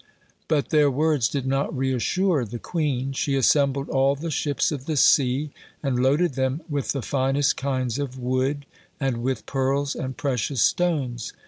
But their words did not reassure the queen. She assembled all the ships of the sea, and loaded them with the finest kinds of wood, and with pearls and precious stones.